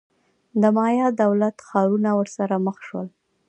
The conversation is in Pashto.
د مایا دولت-ښارونه ورسره مخ شول.